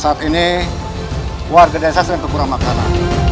saat ini warga desa sering kekurang makanan